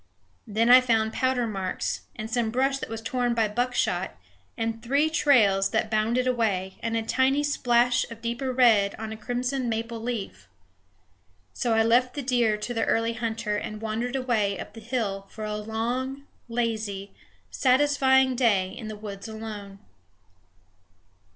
Then I found powder marks, and some brush that was torn by buck shot, and three trails that bounded away, and a tiny splash of deeper red on a crimson maple leaf. So I left the deer to the early hunter and wandered away up the hill for a long, lazy, satisfying day in the woods alone.